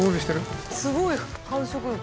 すごい繁殖力。